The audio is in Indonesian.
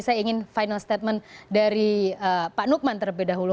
saya ingin final statement dari pak nukman terlebih dahulu